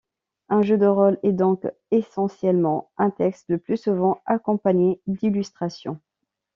Un jeu de rôle est donc essentiellement un texte, le plus souvent accompagné d'illustrations.